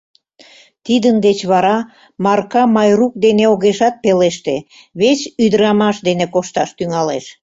Тидын деч вара Марка Майрук дене огешат пелеште, вес ӱдырамаш дене кошташ тӱҥалеш.